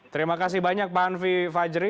terima kasih banyak pak hanfi fajri